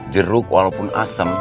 jeruk walaupun asem